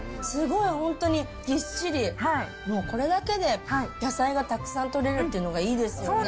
すごい本当にぎっしり、もうこれだけで野菜がたくさんとれるっていうのがいいですよね。